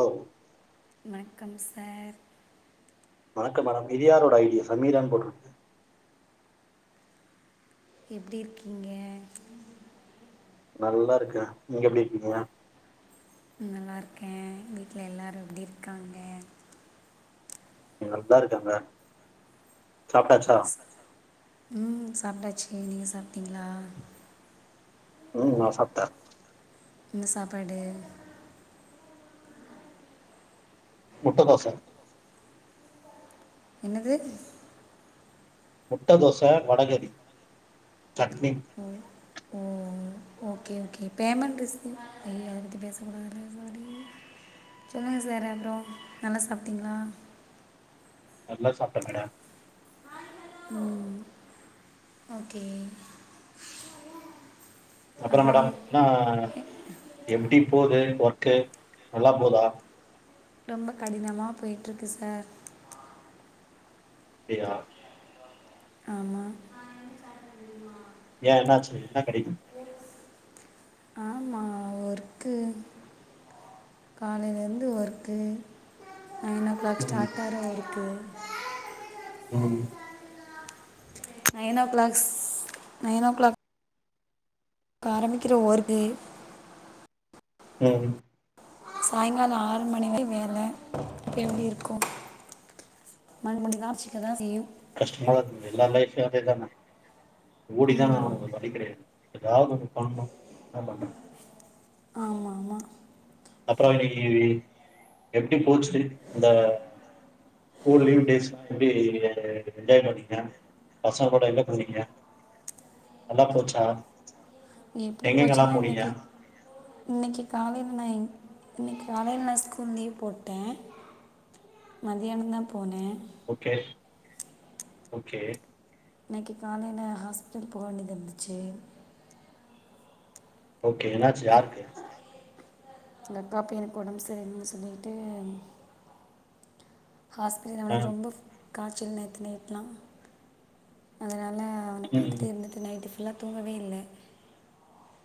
hello வணக்கம் sir வணக்கம் madam இது யாரோட ஐடி சமீரான் போட்ருக்கு எப்டி இருக்கீங்க நல்லா இருக்கே நீங்க எப்டி இருக்கீங்க ம் நல்லா இருக்கே வீட்ல எல்லாரும் எப்டி இருக்காங்க இங்க நல்லா இருக்காங்க சாப்ட்டாச்சா உம் சாப்ட்டாச்சு நீங்க சாப்ட்டீங்களா உம் நா சாப்ட்ட என்ன சாப்பாடு முட்ட தோச என்னது முட்ட தோச வடகறி சட்னி ஓ ஓ ஓகே ஓகே பேமெண்ட் ரிசீவ்னா ஐயோ அத பத்தி பேச கூடாதுல்ல சொல்லுங்க சார் அப்றோ நல்லா சாப்பிட்டீங்களா நல்லா சாப்ட்ட மேடம் உம் ஓகே அப்புறம் மேடம் என்னா எப்டி போது ஒர்க்கு நல்லா போதா ரொம்ப கடினமா போய்ட்டுருக்கு சார் அப்டியா ஆமா ஏ என்னாச்சு என்ன கெடைக்கு ஒ எஸ் ஆமா ஒரு க்கு காலையிலேருந்து ஒர்க்கு நைன் ஓ கிளாக் ம் ஸ்டார்டார ஆர ஒர்க்கு ம் nine o'clocks nine o'clock ஆரம்பிக்கிற ஒரு தி ம் சாயங்காலோ ஆறு மணிக்கு வர வேல எப்டி இருக்கு மணி மணி காட்சிக்க தா செய்யு கஷ்டமா இருந்து எல்லா லைஃப்லயு அதேதானே ஓடிதான ம் ஆவனு வேற வழி கிடையாது எதாவது ஒரு பண்ணு என்னா பண்றது ஆமா ஆமா அப்பறோ இன்னைக்கு எப்டி போச்சுது இந்த ஸ்கூல் லீவ் டேஸ்லா எப்டி என்ஜாய் பண்ணீங்க பசங்க கூட எங்க போனிங்க நல்லா போச்சா எப்டி எங்கெங்கெல்லா போச்சுன்னா போனீங்க இன்னைக்கு இன்னைக்கு காலையில நா இன்னைக்கு காலையில நா ஸ்கூல் லீவ் போட்ட மதியானந்தா போன ஓகே ஓகே இன்னைக்கு காலையில ஹாஸ்பிட்டல் போக வேண்டியது இருந்துச்சு ஓகே என்னாச்சு யார்க்கு எங்க அக்கா பையனுக்கு ஒடம்பு சரில்லனு சொல்லிட்டு ஹாஸ்பிட்டல் ஆ அவனுக்கு ரொம்ப காய்ச்சல் நேத்து நைட்ல்லா அதனால அவன ம் பாத்துட்டு இருந்துட்டு நைட்டு ஃபுல்லா தூங்கவே இல்ல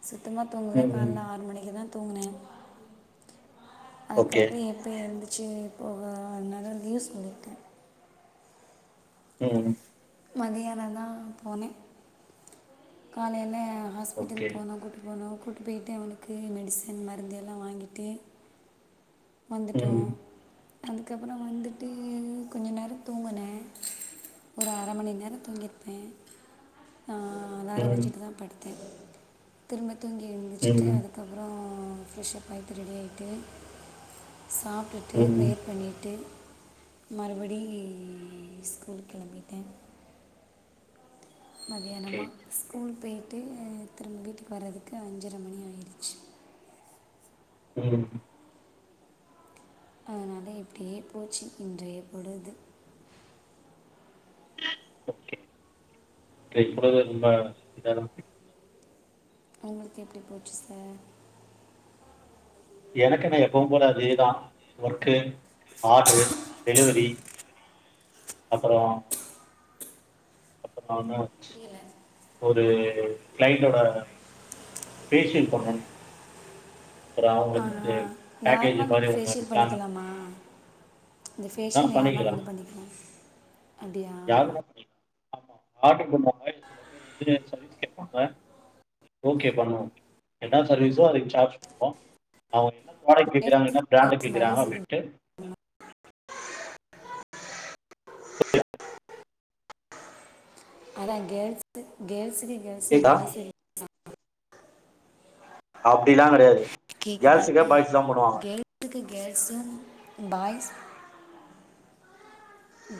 சுத்தமா தூங்கல ம் ம் காலையில ஆறு மணிக்கு தா தூங்குனே ஓகே அதுக்கப்பறோ எப்ப எழுந்துருச்சு போக அதுனால லீவ் சொல்லிட்ட ம் மதியானோ தா போன காலையில ஹாஸ்பிட்டல் ஓகே போனோ கூட்டு போனோ கூட்டி போயிட்டு அவனுக்கு மெடிசன் மருந்து எல்லா வாங்கிட்டு வந்துட்டோ ம் அதுக்கப்புறோ வந்துட்டு கொஞ்ச நேரோ தூங்கன ஒரு அரை மணி நேரோ தூங்கிருப்பே ஆ அலாரம் ம் வச்சிட்டு தா படுத்தே திரும்ப தூங்கி எழுந்துச்சுட்டு ம் அது அதுக்கப்பறோ ஃப்ரெஷ்ஷப் ஆய்ட்டு ரெடி ஆய்ட்டு சாப்டுட்டு ம் ப்ரேயர் பண்ணிட்டு மறுபடி ஸ்கூல் கிளம்பிட்டே ஓகே மதியானமா ஸ்கூல் போயி்ட்டு திரும்ப வீட்டுக்கு வரதுக்கு அஞ்சர மணி ஆய்டுச்சு ம் அதனால இப்டியே போச்சு இன்றைய பொழுது ஓகே இன்னைய பொழுது இருந்தா [unintelligible] உங்களுக்கு எப்டி போச்சு சார் எனக்கு என்ன எப்பவு போல அதே தா ஒர்க்கு ஆர்டரு டெலிவரி அப்றோ அப்ப த மே புரியல ஒரு கிளைன்டோட பேஷியல் பண்ணணு அப்புறம் ஆ அவங்களுக்கு வந்து ஆ பேக்கேஜ் யார்ன்னா மாரி வந்து ஒன்னு ஃபேஷியல் பிளான் பண்ணிக்கலாமா இந்த ஆ ஃபேஷியல் யாருனாலு வந்து பண்ணிக்கலா அப்டியா யாரு வேணா பண்ணிக்கலா ஆமா ஆர்டரு பண்ணாங்க சில பேர் வந்து சர்வீஸ் கேட்பாங்க ஓகே பண்ணுவோ ரெண்டாவது சர்வீஸோ அதுக்கு சார்ஜ் பண்ணுவோ அவங்க என்ன ப்ராடக்ட் கேக்குறாங்க என்ன கேர்ள்ஸுக்கு பிராண்டு கேர்ள்ஸ் கேக்குறாங்க பாய்ஸுக்கு அப்டின்டு அதா கேர்ல்ஸ்க் கேர்ல்ஸ் கேர்ல்ஸ் கேக்குதா பாய்ஸ் இரு அப்டிலா கிடையாது கேஸுக்கே பாய்ஸ்சு தா பண்ணுவாங்க எதுக்கு கேர்ஸ்சு பாய்ஸ்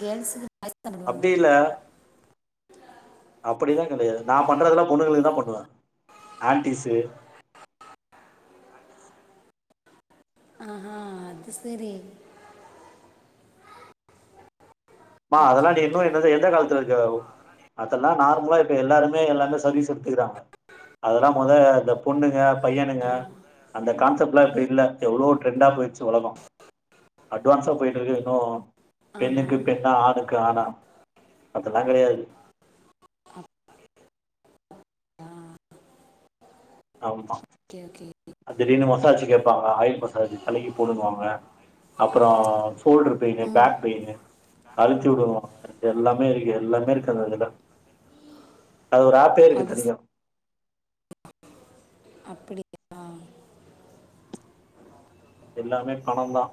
கேர்ள்ஸ்க்கு அப்டி இல்ல அப்படிலா கிடையாது நா பண்றதுலா பொண்ணுங்களுக்கு தா பண்ணுவே ஆன்ட்டிஸு ஆஹா ஹ் அது சரி மா அதெல்லா ஓகே [unintelligible] இல்ல ஓகே இல்ல எந்த காலத்துல இருக்க அதெல்லா நார்மலா இப்ப எல்லாருமே எல்லாமே சர்வீஸ் எடுத்துக்கிறாங்க அதெல்லா மொத இந்த பொண்ணுங்க பையனுங்க ஆஹா அந்த கான்செப்ட்லா இப்ப இல்ல எவ்வளோ டிரெண்டா போயிச்சு உலகம் அட்வான்ஸா போயிட்டு இருக்கு இன்னு ஆஹா பெண்ணுக்கு பெண்ணா ஆணுக்கு ஆணா அதெல்லா கிடையாது ஆமா ஓகேஓகே ஆ அதிலயுன்னு மசாஜ் கேட்பாங்க ஆயில் மசாஜ் தலைக்கி போடுனுவாங்க அப்புறோ ஷோல்டரு பெயினு பேக் பெயினு அழச்சி விடுவோ எல்லாமே இருக்கு எல்லாமே இருக்கு அதுல்ல அது ஒரு ஆ போயிருக்க அது சரி தனியா அப்படி எல்லாமே பணதா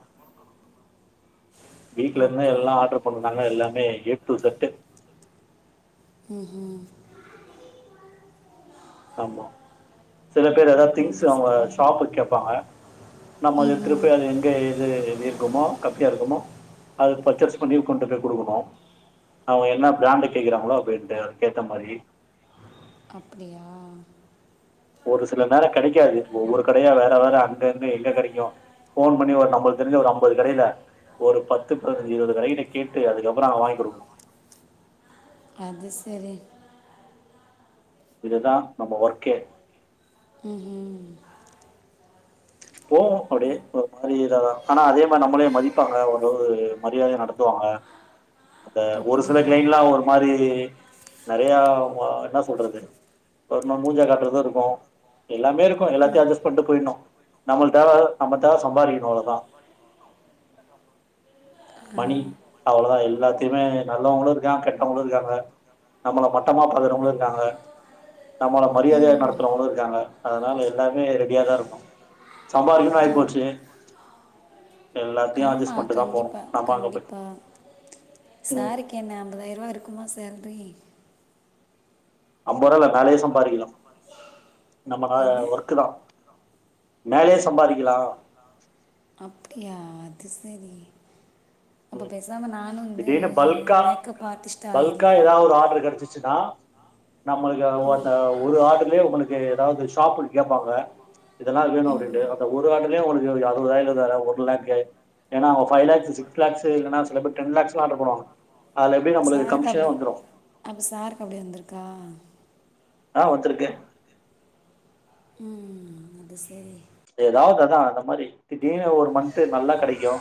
வீட்ல இருந்து ஓகே எல்லாஆர்டர்க கொண்ணந்தாங்க எல்லாமே ஏடு டு ஈசெட் ம் ம் ஆமா சில பேர் ஏதாவது திங்ஸ் அது அவங்க சரி ஷாப்புக்கு கேப்பாங்க நம்ம அது ம் எடுத்துட்டுப் ம் போயி அயி டெய்லி டெய்லி வேருக்குமோ கம்மியா இருக்குமோ அது பர்ச்சேஸ் பண்ணி கொண்டு போய் கொடுக்கணுமோ அவங்க என்ன பிராண்டு கேக்குறாங்களோ அபடின்னுட்டு அதுக்கேத்த மாதிரி அப்படியா ஒரு சில நேரம் கிடைக்காது ஒவ்வொரு கடையா வேற வேற அங்கங்க எங்க கிடைக்கு போன் பண்ணி ஒரு நம்ளக்கு தெருச ஒரு அம்பது கடையில ஒரு பத்து பதினஞ்சு இருபது ரைடு கேட்டு அதுக்கப்புற அவ வாங்கி கொடுக்கணு அது சேரி இதுதா நம்ம ஒர்க்கே ம் ம் தேவபடு ஓ ஒரு மாரி ஆனா அதே மாதிரி நம்மளே மதிப்பாங்க ஒருளவு மரியாதையா நடத்துவாங்க அப்ப ஒரு சில அப்படியா கிளைன்லா ஒரு மாரி நிறைய என்ன சொல்றது ஒருநாள் மூஞ்சா காட்ற மாரி இருக்கு எல்லாமே இருக்கு எல்லாத்தையு அட்ஜஸ்ட் பண்ணிட்டுப் போயிணு நம்மளுக்கு தேவ நம்ம தேவ சம்பாதிக்கணு அவ்ளோ தா ஆ மணி அவ்ளோ தா எல்லாத்தையுமே நல்லவங்களு இருக்காங்க கெட்டவங்களு இருக்காங்க நம்மள மட்டமா பாக்கறவங்களு இருக்காங்க நம்மள மரியாதையா ம் நடத்துறவங்களு இருக்காங்க அதனால எல்லாமே ரெடியா தா இருக்கணு சம்பாரிக்கணு ஆ ஆய்போச்சு ஆமா பண்ட்டு தா போணு கண்டிப்பா நம்ம அங்க போய் கண்டிப்பா ம் சார்க்கு என்ன ஐம்பதாயரர் ரூபா இருக் குமா சேல்ரி அம்பர்வா இல்ல மேலயே சம்பாரிக்கலா நம்மள என்ன ஒர்க்கு தா மேலயே சம்பாரிக்கலா அப்டியா அது செரி ம் திடிர்னு பல்க்கா மேக்கப் ஆர்டிஸ்ட்டாக பல்க்கா ஆயிடலாம் எதாவது ஒரு ஆடரு கெடச்சுச்சுனா நம்மளுக்கு ஒ அந்த ஒரு ஆடருலயே உனுக்கு ஏதாவது ஷாப்புன் கேப்பாங்க இதெலா வேணு ம் அப்டின்ட்டு அந்த ஒரு ஆடருலயே உனக்கு அறுவது வாங்கிட்டு வந்தாரே ஒண்லேக்கு ஏனா அவுங்க பைவ் லேக்ஸ் சிக்ஸ் லேக்ஸ்சு இல்லனா சில பேர் டென் லேக்ஸ்லா ஆடர் பண்ணுவா சாருக் அப்டி அப்ப சாருக்கு அப்டி வந்திருக்கா ஆ வந்துருக்கே ம் ம் ம் அது சேரி எதாவது அதா அந்த மாரி திடீனு ஒரு மன்த் நல்லா கெடைக்கூ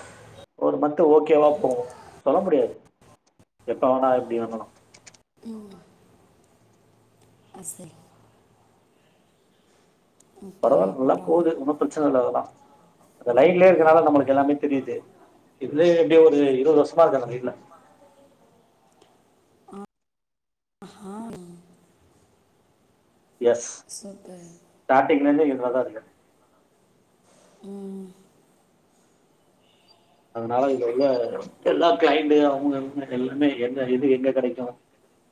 ஒரு மன்த்து ஓக்கேவா போவு சொல்ல முடியாது எப்ப வேணா எப்டி வேண்ணாலு ம் அது சரி ஓகே பரவாயில்ல நல்லா அப்புறம் போது ஒன்னு பிரச்சன இல்ல அதலா அந்த லைன்லயே இருக்கனால நம்ளுக்கு எல்லாமே தெரியுது இதுவே எப்டியோ ஒரு இருவது வருஷ்மா இருக்கே அந்த ஃபீல்டுல ஆ ஹா எஸ் [unintelligible] ஸ்டாட்டிங்ல இர்ந்தே இங்க தா இருக்கே ம் ம் அதனால இங்க உள்ள எல்லா கிளைண்டு அவுங்க அனுப்ன எல்லாமே எந்த எது எங்க கெடைக்கு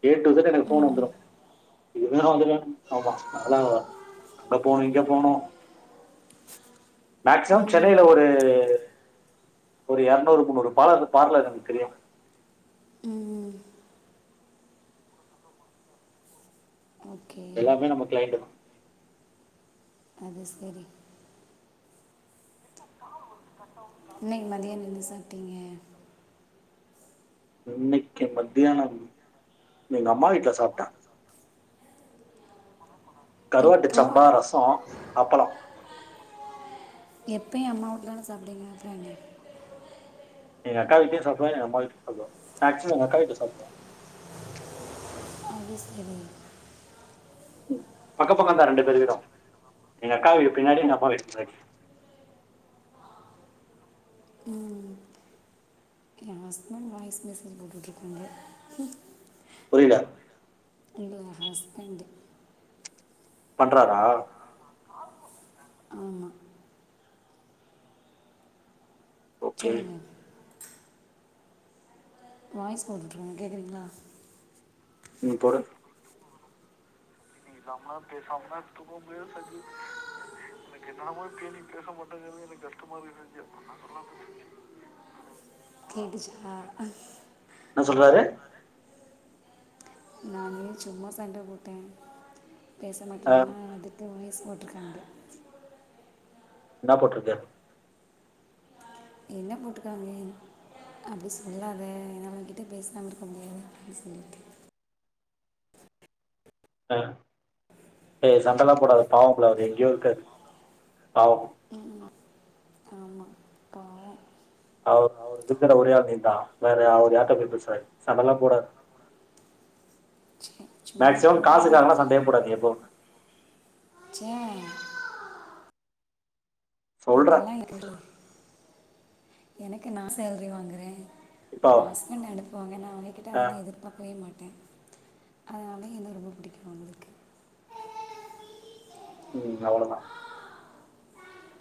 ஏ ட்டு செட் எனக் ஃபோன் ம் வந்துரு இதுதா வந்துருவே ஆமா அதலா அங்க அங்க போணு இங்க போணு மேக்சிமம் சென்னையில ம் ஒரு ஒரு எர்நூறு முன்னூறு பாலர் பார்லர் எனக்கு தெரியு ம் ம் ஓகே எல்லாமே நம்ம கிளைண்டு அது செரி [unintelligible] இன்னைக்கு மத்தியான என்ன சாப்டீங்க இன்னிக்கு மத்தியானம் எங்க அம்மா வீட்ல சாப்ட்ட கருவாட்டு இப்போ சம்பா ரசோ அப்பளோ எப்பெயு அம்மாவூட்லதா சாப்டூவீங்க அப்றென்ன எங்கக்கா வீட்லயு சாப்டுவே எங்க அம்மா வீட்லயு சாப்டுவே மேக்சிமம் எங்கக்கா வீட்ல சாப்டுவே [inaudible] பக்க பக்கந்தா ரெண்டு பேர் வீடு எங் அக்கா வீடு பின்னாடி எங்க அம்மா வீடு முன்னாடி ம் என் ஹஸ்பண்ட் வாய்ஸ் மெசேஜ் போட்டு்ருக்காங்க ம புரில உங்களோட ஹஸ்பண்ட் பண்றாரா ஆமா ஓகே சொல்லுங்க வாய்ஸ் நோட் போட்டுக்காங்க கேட்குறீங்களா ம் போடு எங்க அம்மா பேசாமலாம் தூங்கவுமுடியு எனக்கு என்னனமோ கேட்டுனே இருக்க மாதிர பே நீ பேச மாட்டேங்கது எனக்கு கஷ்டமா [inaudible] கேட்டுச்சா என்ன சொல்றாரு நானே சும்மா சண்ட போட்டே பேச ஆ மாட்டேன்னா அது அதா வாய்ஸ் போட்ருக்காங்க என்னா போட்ருக்காரு என்ன போட்டுருக்காங்கே அப்டி சொல்லாத என்னால உங்கிட்ட பேசாம இருக்க முடியாது அப்டின் சொல்லிட்டு ஆ ஏய் சண்டலா போடத பாவம் புள்ள அவரு எங்கேயோ இருக்காரு பாவோ சும்மா அவர் அவர் இருக்கற ஒரே ஆள் நீ தான் வேற அவர் யார்ட்ட போய் பேசுவாரு சண்டல்லா போடாத ச்சி மேக்சிமம் காசுக்காகலா சண்டயே போடாதிங்க எப்பவு ச சொல்ற அதெல்லா எனக்கு அதுக்கு எனக்கு நா சேல்ரி வாங்குறே இப்போ அப்பறோ ஹஸ்பண்ட் அனுப்புவாங்க நா அவங்கிட்ட ஆ அதெல்லா எதிர்பாக்கவே மாட்டே அதனால என்ன ரொம்ப புடிக்கும் அவங்களுக்கு ம் அவ்ளோதா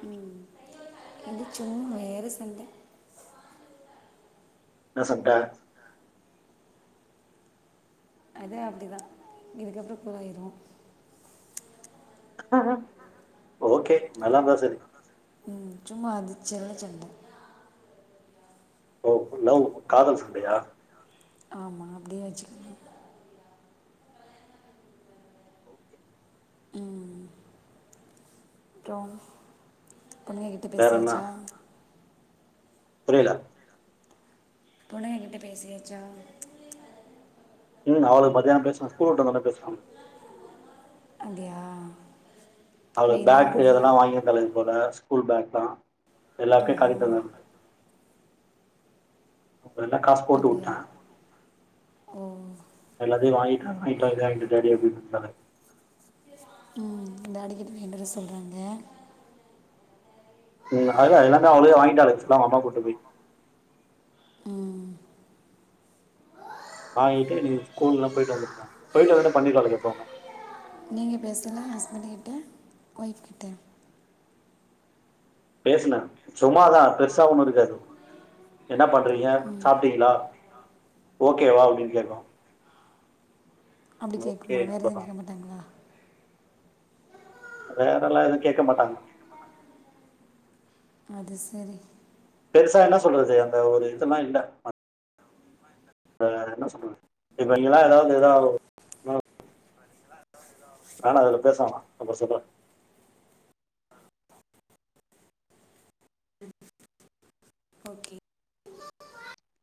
ம் இது சும்மா வேற சண்ட என்ன சண்ட அது அப்டிதான் இதுக்கப்பறோ போய்டும் ஆ ஓகே நல்லாந்தா சரி ம் சும்மா அது செல்ல சண்ட ஓ லவ் காதல் சண்டயா ஆமா அப்டியே வச்சுக்கங்க அப்றோ பொண்ணுங்க கிட்ட வேற பேசியாச்சா புரில பொண்ணுங்ககிட்ட பேசியாச்சா ம் அவளுக்கு மதியம் பேசுனே ஸ்கூல் விட்டு வந்தோனே பேசுவாங்க அப்டியா அவளு பேக்கு எதெல்லா வாங்கியிருந்தாலுங்க போல ஸ்கூல் பேக்லாம் எல்லார்க்கு ஆஹா காட்டிட்டு வந்த அவங்க எல்லாம் காசு போட்டு அப்டியா விட்டேன் ஓ எல்லாத்தையு வாங்கிட்டு நைட் வாங்கிட்டு வந்ட்டோம் டாடி அப்டின்ட்டாங்க ம் ம் டாடிக்கிட்ட வாங்கிட்டு வர சொல்றாங்க ம் அது அதல்லா எல்லாமே அவளுங்களே வாங்கிடாலுங்க திங்ஸ் எல்லாமே அம்மா வ கூட்டு போய் ம் வாங்கிட்டு நீங்க ஸ்கூல்லா போயிட்டு வந்துட்டு போயிட்டு வந்துட்டு பண்ணிருவாலுங்க எப்பமே நீங்க பேசலா ஹஸ்பண்ட் கிட்ட ஒய்ஃப் கிட்டயா பேசுன சும்மாதா பெருசா ஒண்ணு இருக்காது என்ன பண்றீங்க சாப்ட்டீங்ளா ஓகேவா உங்களுக்கு கேட்கு அப்டி ஓகே கேட்குமா வேற எதுவு அவ்ளோதா கேட்க மாட்டாங்ளா வேறல்லா எதுவு கேக்க மாட்டாங்க அது சரி பெருசா என்ன சொல்றது அந்த ஒரு இதெல்லா இல்ல வேற என்ன சொல்றது இப்ப நீங்கல்லா எதாவது எதாவது நானு அது கூட பேச வேணா ஒன்னு பிரச்சன இல்ல ஓகே